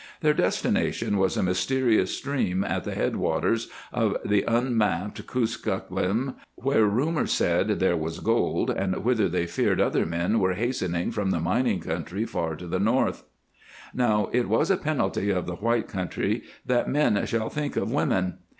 Their destination was a mysterious stream at the headwaters of the unmapped Kuskokwim, where rumor said there was gold, and whither they feared other men were hastening from the mining country far to the north. Now it is a penalty of the White Country that men shall think of women.